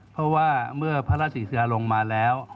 เพราะว่าเมื่อพระราชยาลงมาแล้ว